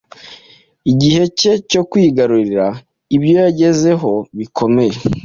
Igihe cye cyo kwigarurira ibyo yagezeho bikomeye